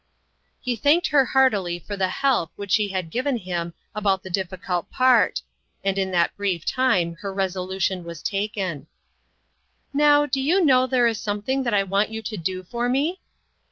He thanked her heartily for the help which she had given him about the difficult part, and in that brief time her resolution was taken :" Now, do you kngw there is something that I want you to do for me